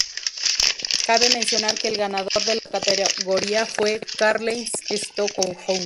Cabe mencionar que el ganador de la categoría fue Karlheinz Stockhausen.